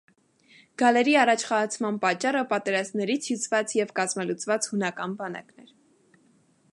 Գալերի առաջխաղացման պատճառը պատերազմներից հյուծված և կազմալուծված հունական բանակն էր։